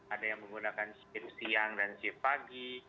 ada yang menggunakan shift siang dan shift pagi